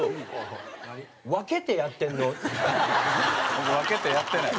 僕分けてやってない。